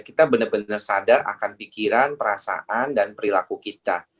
kita benar benar sadar akan pikiran perasaan dan perilaku kita